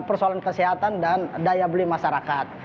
persoalan kesehatan dan daya beli masyarakat